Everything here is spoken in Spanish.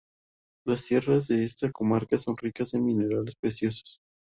Las tierras de esta comarca son ricas en minerales preciosos.